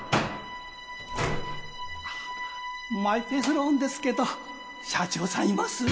あマイペースローンですけど社長さんいます？